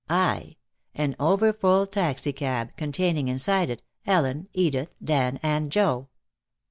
(i) An overfull taxicab, containing inside it Ellen, Edith, Dan and Joe.